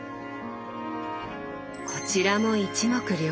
こちらも一目瞭然。